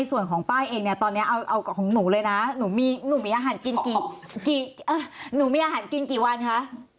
ในส่วนของป้ายเองแหละตอนนี้เอาของหนูเลยนะหนูมีงานอาหารกินกี่หวันคะ